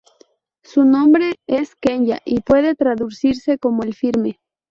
Su nombre es quenya y puede traducirse como ‘el firme’.